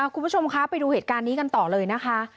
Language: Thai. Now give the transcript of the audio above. คุณผู้ชมคะไปดูเหตุการณ์นี้กันต่อเลยนะคะ